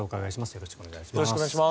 よろしくお願いします。